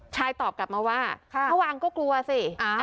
ชายตอบกลับมาว่าถ้าวางก็กลัวสิ